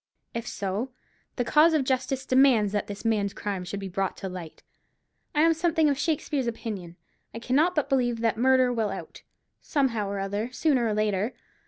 If so, the cause of justice demands that this man's crime should be brought to light. I am something of Shakspeare's opinion; I cannot but believe that 'murder will out,' somehow or other, sooner or later.